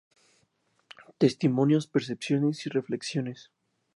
Testimonios, percepciones y reflexiones".